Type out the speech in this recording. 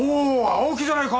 青木じゃないか。